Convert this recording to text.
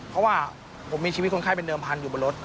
เพราะว่าผมมีชีวิตคนไข้เป็นเดิมพันธุอยู่บนรถ